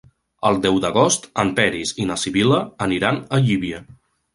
El deu d'agost en Peris i na Sibil·la aniran a Llívia.